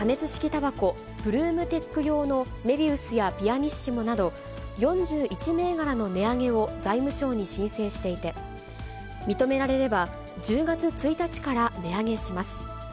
たばこ、プルーム・テック用のメビウスやピアニッシモなど、４１銘柄の値上げを財務省に申請していて、認められれば、１０月１日から値上げします。